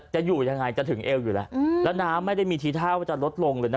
จะอยู่ยังไงจะถึงเอวอยู่แล้วแล้วน้ำไม่ได้มีทีท่าว่าจะลดลงเลยนะ